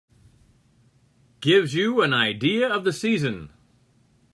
Gives you an idea of the season.